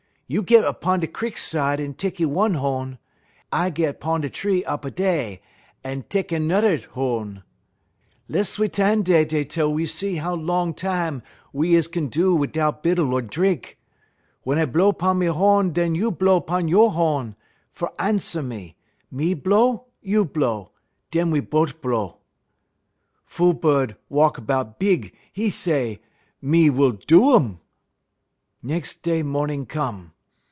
You git 'pon da crik side en tekky one ho'n, I git 'pon da tree y up dey, en tekky nurrer ho'n. Less we 'tan' dey dey tel we see how long tam we is kin do 'dout bittle en drink. Wun I blow 'pon me ho'n dun you blow 'pon you' ho'n fer answer me; me blow, you blow, dun we bote blow.' "Fool bud walk 'bout big; 'e say: "'Me will do um!' "Nex' day mornin' come.